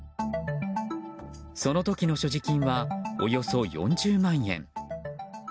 その時の所持金はおよそ４０万円。